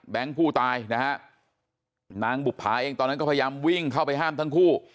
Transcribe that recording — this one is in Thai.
ผู้ตายนะฮะนางบุภาเองตอนนั้นก็พยายามวิ่งเข้าไปห้ามทั้งคู่